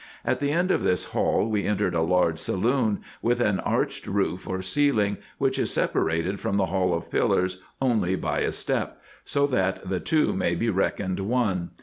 At the end of this hall we entered a large saloon, with an arched roof or ceiling, which is separated from the Hall of Pillars only by a step ; so that the two may be reckoned one.